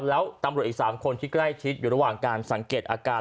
แล้วตำรวจอีก๓คนที่ใกล้ชิดอยู่ระหว่างการสังเกตอาการ